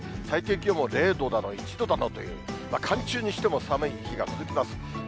最低気温も０度だの１度だのという、寒中にしても寒い日が続きます。